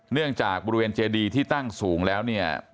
เนื่องจากบริเวณเจดีที่ตั้งสูงแล้วเนี่ย